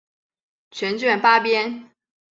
全卷八编。